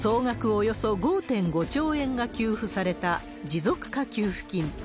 およそ５．５兆円が給付された持続化給付金。